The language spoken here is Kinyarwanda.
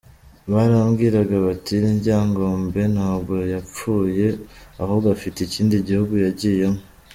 Barabwiranaga bati “Ryangombe ntabwo yapfuye, ahubwo afite ikindi gihugu yagiyemo.